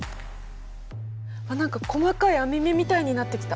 あっ何か細かい網目みたいになってきた。